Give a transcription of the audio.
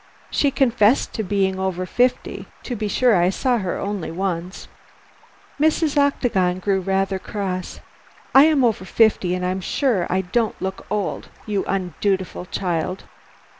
She confessed to being over fifty. To be sure, I saw her only once." Mrs. Octagon grew rather cross. "I am over fifty, and I'm sure I don't look old, you undutiful child.